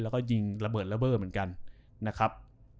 แล้วก็ยิงระเบิดระเบิดเหมือนกันนะครับ